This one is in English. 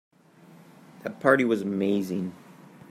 That party was amazing.